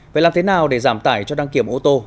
vậy làm thế nào để giảm tải cho đăng kiểm ô tô